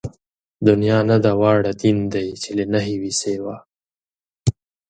دنيا نه ده واړه دين دئ چې له نَهېِ وي سِوا